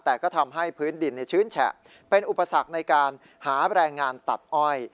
แต่ก็ทำให้พื้นดินชื้นแฉะเป็นอุปสรรคในการหาแรงงานตัดอ้อย